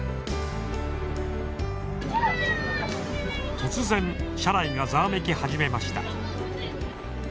突然車内がざわめき始めました。